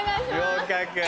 合格。